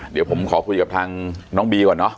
เดี๋ยวผมขอคุยกับทางน้องบีก่อนเนอะ